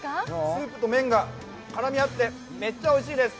スープと麺が絡み合ってめっちゃおいしいです。